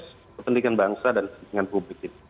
untuk kepentingan bangsa dan kepentingan publik